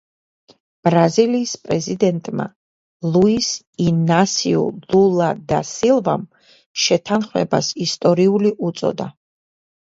ბრაზილიის პრეზიდენტმა ლუის ინასიუ ლულა და სილვამ შეთანხმებას ისტორიული უწოდა.